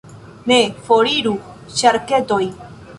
Ne, foriru ŝarketoj!